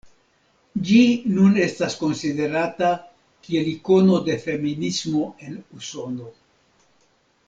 Ĝi nun estas konsiderata kiel ikono de feminismo en Usono.